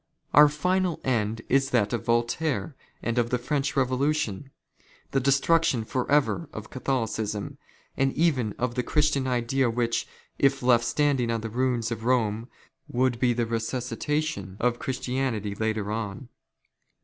Our final end is that of " Voltaire and of the French Revolution, the destruction for ever '^ of Catholicism and even of the Christian idea which, if left '• standing on the ruins of Kome, would be the resuscitation of " Christianity later on.